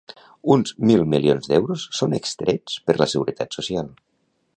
Uns mil milions d'euros són extrets per la Seguretat Social.